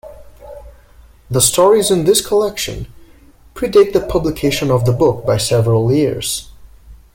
The stories in this collection predate the publication of the book by several years.